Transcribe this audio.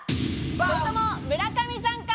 それとも村上さんか？